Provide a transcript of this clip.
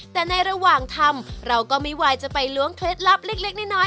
แต่ในระหว่างทำเราก็ไม่ไหวจะไปล้วงเคล็ดลับเล็กน้อย